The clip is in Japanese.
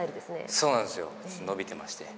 そうなんですよ、伸びてまして。